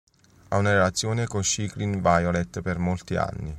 Ha una relazione con Shrinking Violet per molti anni.